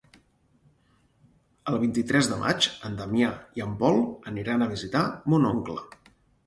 El vint-i-tres de maig en Damià i en Pol aniran a visitar mon oncle.